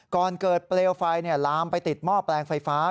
ก่อนเกิดเปลวไฟลามไปติดหม้อแปลงไฟฟ้า